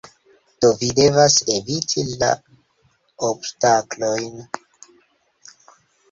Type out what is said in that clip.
Do vi devas eviti la obstaklojn.